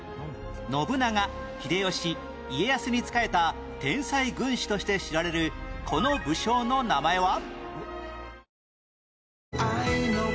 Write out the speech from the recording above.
信長秀吉家康に仕えた天才軍師として知られるこの武将の名前は？